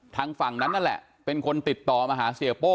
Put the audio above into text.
ทางฝั่งนั้นนั่นแหละเป็นคนติดต่อมาหาเสียโป้